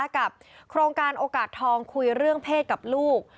โครงการโอกาสทองคุยเรื่องเพศกับลูก